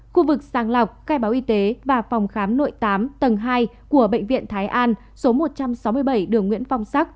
khu vực sàng lọc khai báo y tế và phòng khám nội tám tầng hai của bệnh viện thái an số một trăm sáu mươi bảy đường nguyễn phong sắc